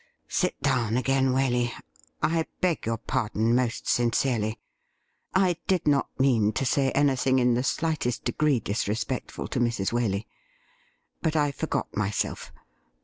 ' Sit down again, Waley : I beg yom pardon most sin cerely. I did not mean to say anything in the slightest degree disrespectful to Mrs. Waley. But I forgot myself.